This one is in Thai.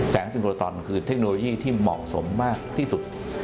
ซิโลตอนคือเทคโนโลยีที่เหมาะสมมากที่สุด